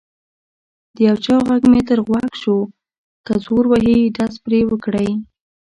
د یو چا غږ مې تر غوږ شو: که زور وهي ډز پرې وکړئ.